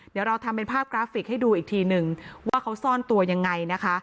เดี๋ยวเราทำเป็นภาพกราฟิกให้ดูอีกทีนึงว่าเขาซ่อนตัวยังไงนะคะ